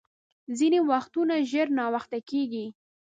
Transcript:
ځیني وختونه ژر ناوخته کېږي .